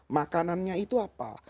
makanannya itu apa